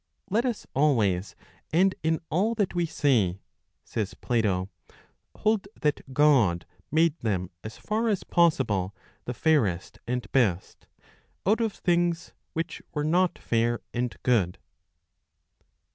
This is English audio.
" Let us always, and in all that we say," says Plato, " hold that God made them as far as possible the fairest and best, out of things which were not fair and good."